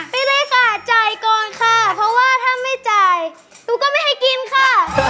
ไปเลยค่ะจ่ายก่อนค่ะเพราะว่าถ้าไม่จ่ายหนูก็ไม่ให้กินค่ะ